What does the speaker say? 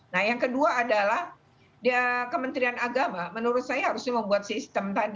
nah yang kedua adalah kementerian agama menurut saya harusnya membuat sistem tadi